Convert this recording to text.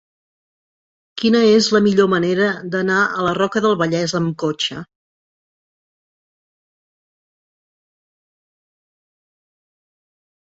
Quina és la millor manera d'anar a la Roca del Vallès amb cotxe?